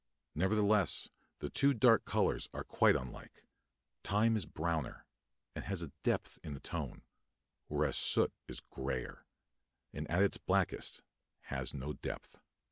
Nevertheless, the two dark colours are quite unlike; time is browner, and has a depth in the tone, whereas soot is greyer, and at its blackest has no depth.